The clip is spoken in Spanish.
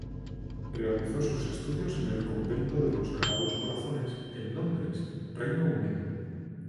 Realizó sus estudios en el Convento de los Sagrados Corazones en Londres, Reino Unido.